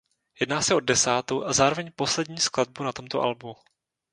Jedná se o desátou a zároveň poslední skladbu na tomto albu.